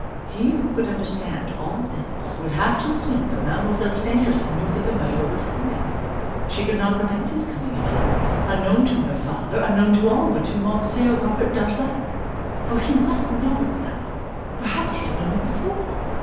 He who could understand all this, would have to assume that Mademoiselle Stangerson knew that the murderer was coming she could not prevent his coming again unknown to her father, unknown to all but to Monsieur Robert Darzac. For he must know it now perhaps he had known it before!